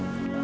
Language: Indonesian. ibu tahan ya